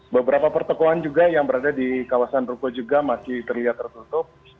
beberapa pertekuan juga yang berada di kawasan ruko juga masih terlihat tertutup